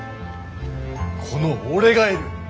この俺がいる！